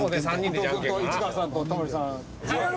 伊藤君と市川さんとタモリさん。